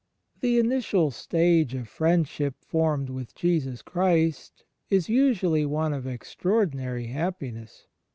The initial stage of the Friendship formed with Jesus Christ is usually one of extraordinary happiness.